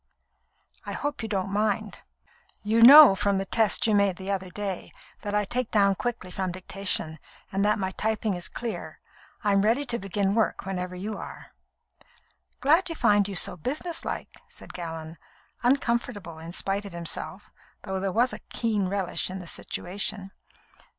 I hope you don't mind. You know, from the test you made the other day, that I take down quickly from dictation, and that my typing is clear. I am ready to begin work whenever you are." "Glad to find you so businesslike," said Gallon, uncomfortable in spite of himself, though there was a keen relish in the situation.